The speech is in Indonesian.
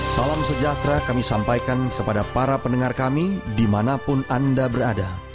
salam sejahtera kami sampaikan kepada para pendengar kami dimanapun anda berada